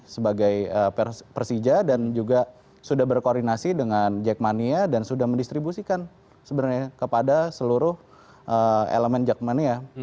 sebagai persija dan juga sudah berkoordinasi dengan jackmania dan sudah mendistribusikan sebenarnya kepada seluruh elemen jackmania